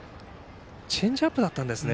チェンジアップだったんですね。